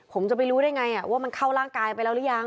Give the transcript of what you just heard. ผมจะไปรู้ได้ไงว่ามันเข้าร่างกายไปแล้วหรือยัง